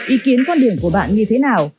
ý kiến quan điểm của bạn như thế nào